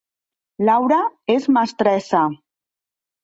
Laura és mestressa